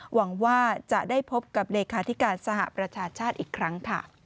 หวังว่าจะได้พบกับเลขาธิการสหประชาชาติอีกครั้งค่ะ